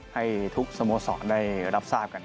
ให้ทุกสโมสรได้รับทราบกัน